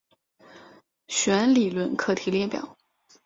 弦理论课题列表。